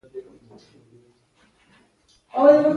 د مورخینو قضاوتونه یوازي د عیارانو په باب نه وای.